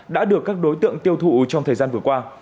đã được các đối tượng tiêu thụ trong thời gian vừa qua